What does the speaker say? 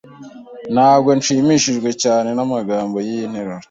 Ntabwo nshimishijwe cyane n'amagambo y'iyi nteruro.